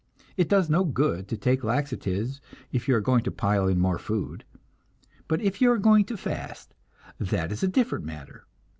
It does no good to take laxatives if you are going to pile in more food, but if you are going to fast, that is a different matter.